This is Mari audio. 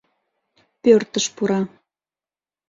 Пӧртыш пура.